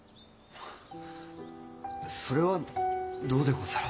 それはどうでござろう。